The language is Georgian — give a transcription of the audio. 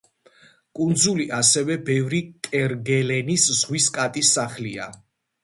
კუნძული ასევე ბევრი კერგელენის ზღვის კატის სახლია.